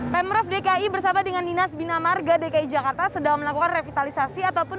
pemprov dki bersama dengan dinas bina marga dki jakarta sedang melakukan revitalisasi ataupun